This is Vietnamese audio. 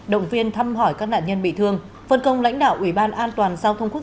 động viên thăm hỏi các nạn nhân bị thương phân công lãnh đạo ủy ban an toàn giao thông quốc